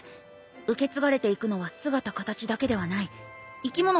受け継がれていくのは姿形だけではない生き物は記憶も遺伝する。